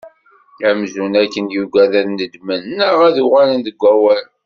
Amzun akken yuggad ad nedmen, neɣ ad uɣalen deg wawal.